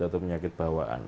atau penyakit bawaan